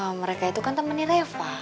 loh mereka itu kan temennya reva